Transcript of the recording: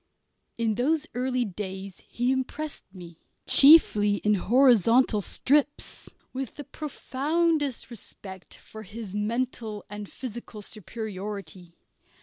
In those early days he impressed me, chiefly in horizontal strips, with the profoundest respect for his mental and physical superiority.